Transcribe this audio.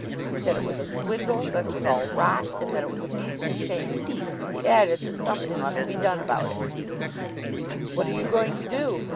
He said it was a swindle, that it was all rot, and that it was a beastly shame. He added that something ought to be done about it. "What are you going to do?"